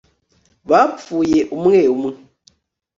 bapfuye umwe umwe